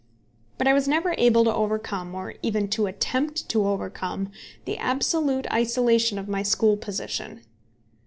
But I was never able to overcome or even to attempt to overcome the absolute isolation of my school position.